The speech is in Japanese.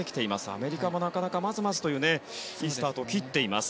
アメリカもまずまずといういいスタートを切っています。